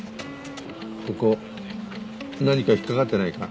ここ何か引っ掛かってないか？